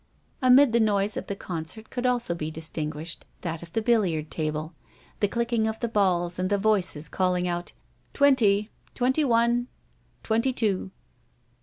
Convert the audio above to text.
Amid the noise of the concert could also be distinguished that of the billiard table, the clicking of the balls and the voices calling out: "Twenty, twenty one, twenty two."